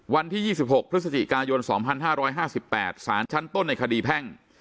วันที่๒๖พฤศจิกายน๒๕๕๘สารชั้นต้นในคดีแพ่ง